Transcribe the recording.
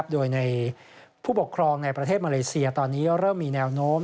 โดยในผู้ปกครองในประเทศมาเลเซียตอนนี้เริ่มมีแนวโน้ม